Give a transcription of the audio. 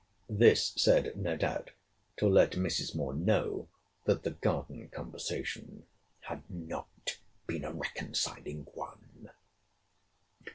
This said, no doubt, to let Mrs. Moore know, that the garden conversation had not been a reconciling one.